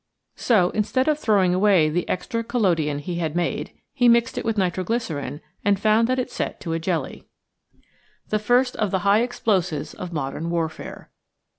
So, instead of throwing away the extra collodion he had made, he mixed it with nitroglycerine, and found that it set to a jelly, the first of the high explosives of modern warfare.